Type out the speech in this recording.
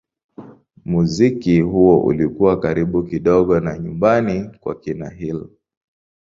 Muziki huo ulikuwa karibu kidogo na nyumbani kwa kina Hill.